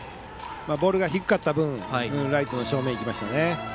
ボールが低かった分ライトの正面に行きましたね。